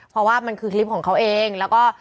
เพราะว่ามันคือคลิปของเขาเองแล้วก็